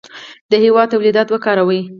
د هېواد تولیدات وکاروئ.